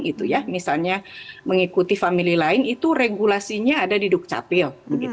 gitu ya misalnya mengikuti famili lain itu regulasinya ada di dukcapil